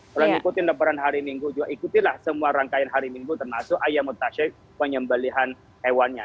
kalau ngikutin lebaran hari minggu juga ikutilah semua rangkaian hari minggu termasuk ayam mutasi penyembelihan hewannya